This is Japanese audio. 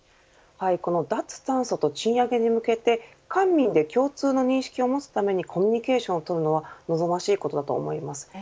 脱炭素と賃上げに向けて官民で共通の認識を持つためにコミュニケーションを取るのは望ましいことだと思います。